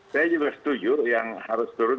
saya juga setuju yang harus turun